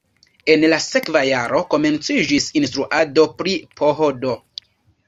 En la sekva jaro komenciĝis instruado pri PhD.